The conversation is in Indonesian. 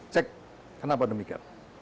cek kenapa demikian